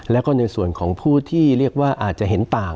แล้วก็ในส่วนของผู้ที่เรียกว่าอาจจะเห็นต่าง